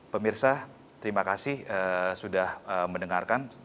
pemirsa terima kasih sudah mendengarkan